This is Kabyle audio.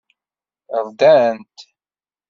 Rdan-t.